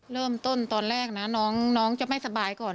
เริ่มต้นตอนแรกนะน้องจะไม่สบายก่อน